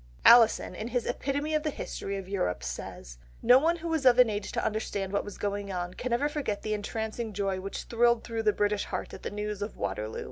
Alison in his Epitome of the History of Europe says, "No one who was of an age to understand what was going on can ever forget the entrancing joy which thrilled through the British heart at the news of Waterloo.